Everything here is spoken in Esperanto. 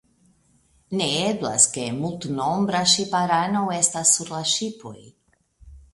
Ne eblas ke multnombra ŝipanaro estas sur la ŝipoj.